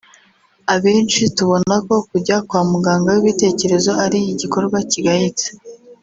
abenshi tubona ko kujya kwa muganga w’ibitekerezo ari igikorwa kigayitse